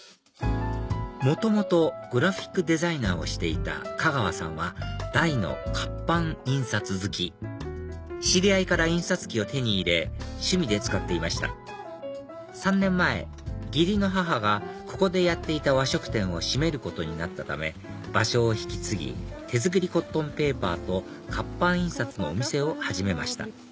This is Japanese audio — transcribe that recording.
元々グラフィックデザイナーをしていたかがわさんは大の活版印刷好き知り合いから印刷機を手に入れ趣味で使っていました３年前義理の母がここでやっていた和食店を閉めることになったため場所を引き継ぎ手作りコットンペーパーと活版印刷のお店を始めました